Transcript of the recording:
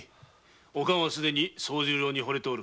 おかんはすでに惣十郎にホれておる。